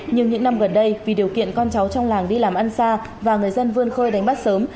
nhưng những năm gần đây vì điều kiện con cháu trong làng đi làm ăn xa và người dân vươn khơi đánh bắt sớm